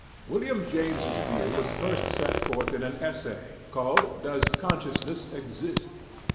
William James's view was first set forth in an essay called "Does 'consciousness' exist?"